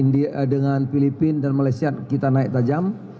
dengan filipina dan malaysia kita naik tajam